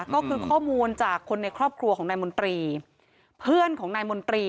ก็คือข้อมูลจากคนในครอบครัวของนายมนตรีเพื่อนของนายมนตรี